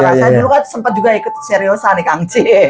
saya dulu kan sempat ikut seriosa nih kang